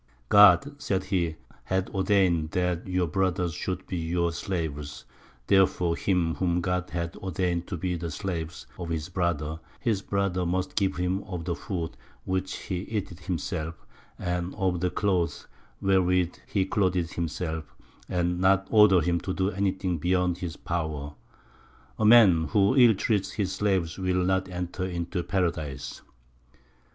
"God," said he, "hath ordained that your brothers should be your slaves: therefore him whom God hath ordained to be the slave of his brother, his brother must give him of the food which he eateth himself, and of the clothes wherewith he clotheth himself, and not order him to do anything beyond his power.... A man who ill treats his slave will not enter into Paradise."